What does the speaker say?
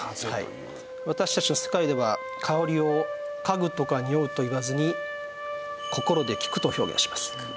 私たちの世界では香りを「嗅ぐ」とか「におう」と言わずに「心で聞く」と表現します。